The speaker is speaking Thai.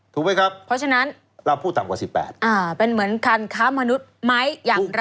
ถูกไหมครับเพราะฉะนั้นเราพูดต่ำกว่า๑๘เป็นเหมือนการค้ามนุษย์ไหมอย่างไร